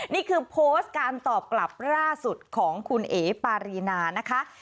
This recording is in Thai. นี่คือโพสต์การตอบกลับล่าสุดของคุณเอ๋ปารีนานะคะ